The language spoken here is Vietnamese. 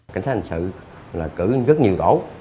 cảnh sát hình sự là cử rất nhiều tổ